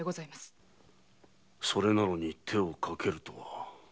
それなのに手をかけるとは？